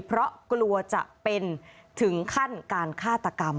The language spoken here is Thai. เพราะกลัวจะเป็นถึงขั้นการฆาตกรรม